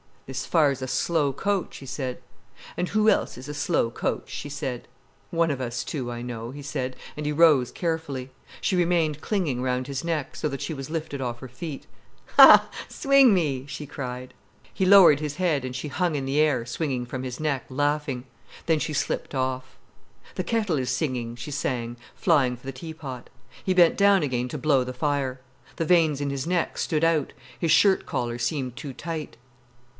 "This fire's a slow coach," he said. "And who else is a slow coach?" she said. "One of us two, I know," he said, and he rose carefully. She remained clinging round his neck, so that she was lifted off her feet. "Ha!—swing me," she cried. He lowered his head, and she hung in the air, swinging from his neck, laughing. Then she slipped off. "The kettle is singing," she sang, flying for the teapot. He bent down again to blow the fire. The veins in his neck stood out, his shirt collar seemed too tight.